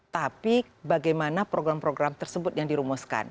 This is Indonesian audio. tapi bagaimana program program tersebut yang dirumuskan